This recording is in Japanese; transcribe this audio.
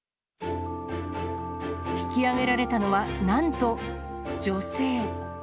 引き上げられたのは、なんと女性。